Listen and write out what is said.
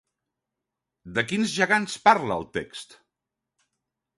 De quins gegants parla el text?